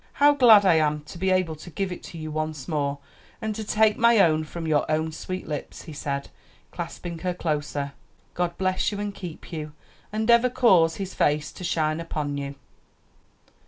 how glad I am to be able to give it to you once more, and to take my own from your own sweet lips," he said, clasping her closer. "God bless you and keep you, and ever cause His face to shine upon you."